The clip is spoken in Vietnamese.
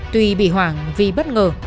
tuy bị hoảng vì bất ngờ